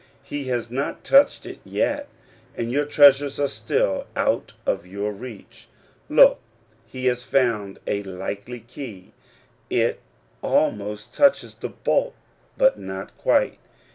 He has not touched it yet ; and your treasures are still out of your reach. Look, he has found a likely key : it almost touches the bolt, but not quite.